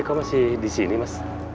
kok masih disini mas